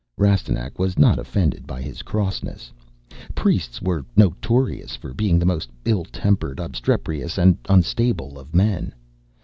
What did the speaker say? Rastignac was not offended by his crossness. Priests were notorious for being the most ill tempered, obstreperous, and unstable of men.